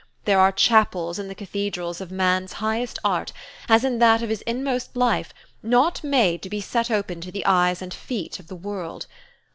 There are chapels in the cathedrals of man's highest art, as in that of his inmost life, not made to be set open to the eyes and feet of the world.